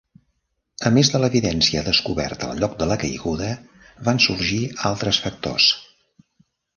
A més de l'evidència descoberta al lloc de la caiguda, van sorgir altres factors.